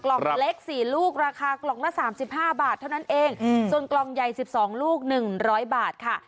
กล่องเล็กสี่ลูกราคากล่องละ๓๕บาทเท่านั้นเองส่วนกล่องใหญ่๑๒ลูก๑๐๐บาทค่ะ